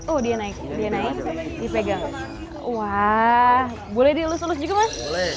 oh dia naik dia naik dipegang wah boleh dielus elus juga mas